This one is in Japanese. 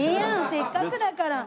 せっかくだから。